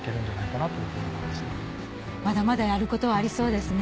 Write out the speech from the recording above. まだまだやることはありそうですね。